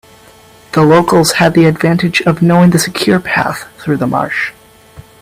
The locals had the advantage of knowing the secure path through the marsh.